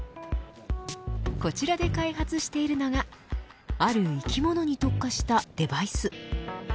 こちらで開発しているのがある生き物に特化したデバイス。